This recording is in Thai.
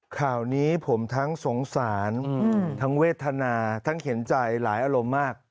ข่าวนี้ผมทั้งสงสารทั้งเวทนาทั้งเห็นใจหลายอารมณ์มาก